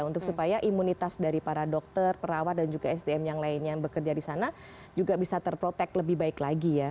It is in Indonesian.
untuk supaya imunitas dari para dokter perawat dan juga sdm yang lainnya yang bekerja di sana juga bisa terprotek lebih baik lagi ya